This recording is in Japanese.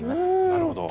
なるほど。